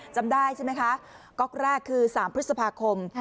จำได้ใช่ไหมคะก๊อกแรกคือ๓พฤษภาคม